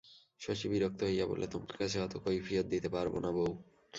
শশী বিরক্ত হইয়া বলে, তোমার কাছে অত কৈফিয়ত দিতে পারব না বৌ।